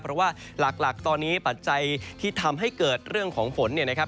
เพราะว่าหลักตอนนี้ปัจจัยที่ทำให้เกิดเรื่องของฝนเนี่ยนะครับ